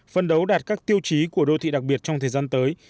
phân đấu đạt các tiêu chí của đô thị đặc biệt trong thời gian tới